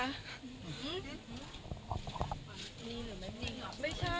มีหรือไม่มีหรอ